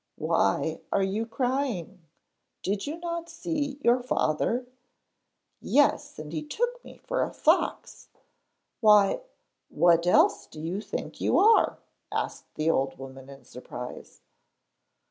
'Why are you crying? Did you not see your father?' 'Yes, and he took me for a fox.' 'Why, what else do you think you are?' asked the old woman in surprise.